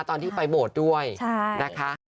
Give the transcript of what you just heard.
ตอนที่ไปโบสถ์ด้วยนะคะ